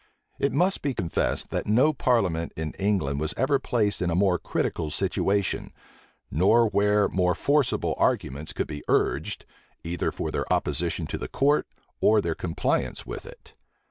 It must be confessed, that no parliament in England was ever placed in a more critical situation, nor where more forcible arguments could be urged, either for their opposition to the court, or their compliance with it.